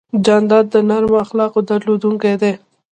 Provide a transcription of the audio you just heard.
جانداد د نرمو اخلاقو درلودونکی دی.